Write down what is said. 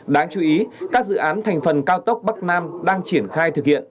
đáng chú ý các dự án thành phần cao tốc bắc nam đang triển khai thực hiện